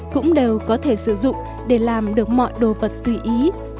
cũng đều có thể sử dụng để làm được mọi đồ vật tùy ý